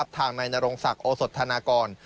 ทางนายนรงศักดิ์โอสดธนากร